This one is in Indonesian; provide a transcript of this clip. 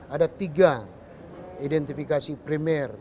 ada tiga identifikasi primer